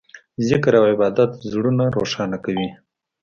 ذکر او عبادت زړونه روښانه کوي.